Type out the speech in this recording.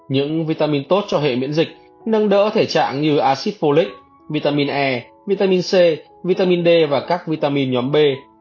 những vitamin tốt cho hệ miễn dịch nâng đỡ thể trạng như acidolic vitamin e vitamin c vitamin d và các vitamin nhóm b